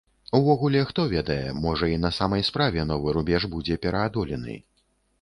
Увогуле, хто ведае, можа, і на самай справе новы рубеж будзе пераадолены.